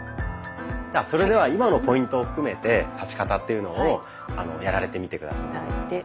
それでは今のポイントを含めて立ち方というのをやられてみて下さい。